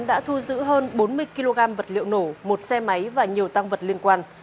lực lượng đánh án đã thu giữ hơn bốn mươi kg vật liệu nổ một xe máy và nhiều tăng vật liên quan